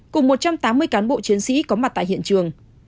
cán bộ chiến sĩ có mặt tại hiện trường